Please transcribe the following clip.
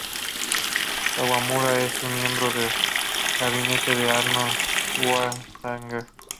Kawamura, y es un miembro del gabinete de Arnold Schwarzenegger.